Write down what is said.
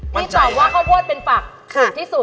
ที่ตอบว่าข้าวโพดเป็นฝักถูกที่สุด